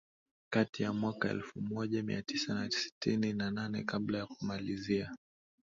kati ya mwaka elfu moja Mia Tisa na sitini na nane kabla ya kumalizia